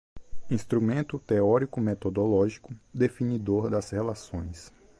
instrumento teórico-metodológico, definidor das relações